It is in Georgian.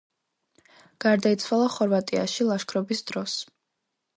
გარდაიცვალა ხორვატიაში ლაშქრობის დროს.